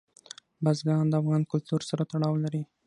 بزګان د افغان کلتور سره تړاو لري.